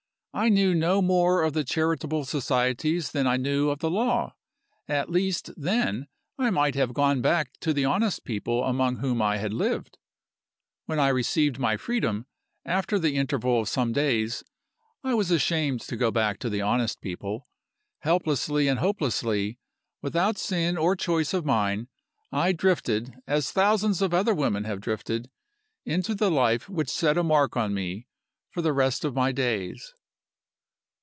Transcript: I knew no more of the charitable societies than I knew of the law. At least, then, I might have gone back to the honest people among whom I had lived? When I received my freedom, after the interval of some days, I was ashamed to go back to the honest people. Helplessly and hopelessly, without sin or choice of mine, I drifted, as thousands of other women have drifted, into the life which set a mark on me for the rest of my days.